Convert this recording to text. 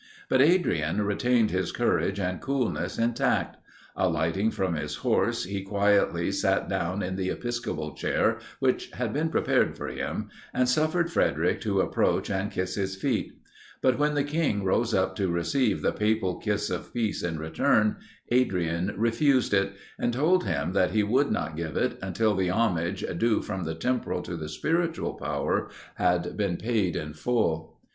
But Adrian retained his courage and coolness intact. Alighting from his horse, he quietly sat down in the episcopal chair, which had been prepared for him, and suffered Frederic to approach and kiss his feet; but, when the king rose up to receive the papal kiss of peace in return, Adrian refused it, and told him that he would not give it, until the homage, due from the temporal to the spiritual power, had been paid in full.